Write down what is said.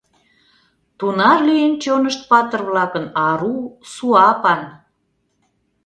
Тунар лийын чонышт патыр-влакын ару, суапан.